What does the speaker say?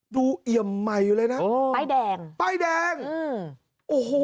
เอี่ยมใหม่อยู่เลยนะโอ้ป้ายแดงป้ายแดงอืมโอ้โห